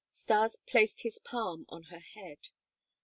Stas placed his palm on her head.